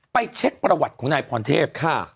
เช็คประวัติของนายพรเทพ